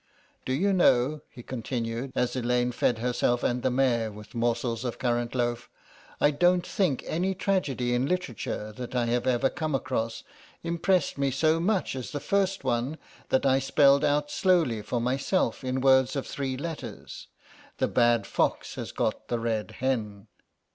Do you know," he continued, as Elaine fed herself and the mare with morsels of currant loaf, "I don't think any tragedy in literature that I have ever come across impressed me so much as the first one, that I spelled out slowly for myself in words of three letters: the bad fox has got the red hen.